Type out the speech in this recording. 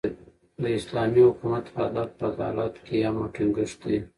د اسلامي حکومت، هدف عدالت، قیام او ټینګښت دئ.